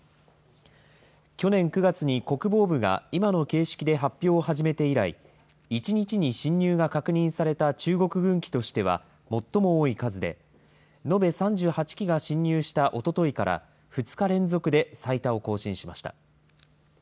去年９月に国防部が今の形式で発表を始めて以来、１日に進入が確認された中国軍機としては最も多い数で、延べ３８機が進入したおとといから、２日連続で最多を更新しました。